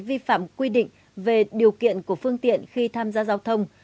vi phạm quy định về điều kiện của phương tiện khi tham gia giao thông